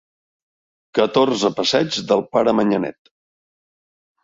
Catorze Passeig del Pare Manyanet.